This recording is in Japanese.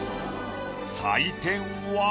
採点は。